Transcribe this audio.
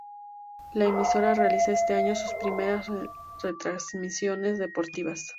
La emisora realiza este año sus primeras retransmisiones deportivas.